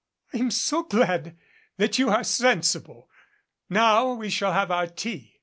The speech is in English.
"I'm so glad that you are sensible. Now we shall have our tea.